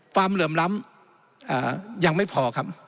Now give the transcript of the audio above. เหลื่อมล้ำยังไม่พอครับ